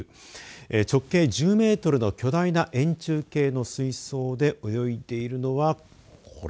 直径１０メートルの巨大な円柱形の水槽で泳いでいるのはこれ。